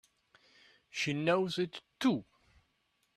She knows it too!